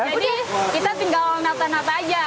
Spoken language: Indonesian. jadi kita tinggal nata nata aja